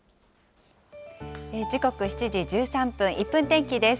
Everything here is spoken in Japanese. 時刻７時１３分、１分天気です。